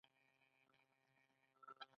خلک د ځان او ټولنې لپاره په ګډه کار کوي.